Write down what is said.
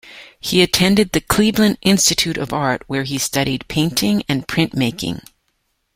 He attended the Cleveland Institute of Art, where he studied painting and printmaking.